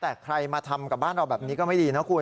แต่ใครมาทำกับบ้านเราแบบนี้ก็ไม่ดีนะคุณ